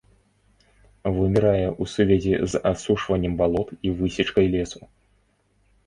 Вымірае ў сувязі з асушваннем балот і высечкай лесу.